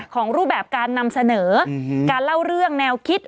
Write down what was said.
รูปแบบการนำเสนอการเล่าเรื่องแนวคิด